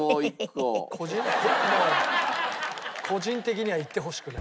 個人的にはいってほしくない。